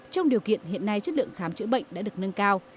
trong điều kiện hiện nay chất lượng khám chữa bệnh đã được nâng cao